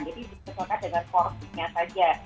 jadi disesuaikan dengan porsinya saja